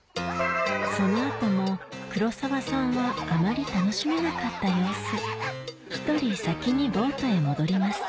その後も黒沢さんはあまり楽しめなかった様子１人先にボートへ戻ります